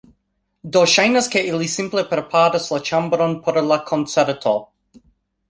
Do, ŝajnas, ke ili simple preparas la ĉambron por la koncerto